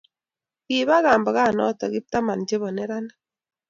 kiba kambakanoto kiptaman chebo neranik